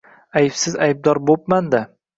-Aybsiz aybdor bo’pmanda.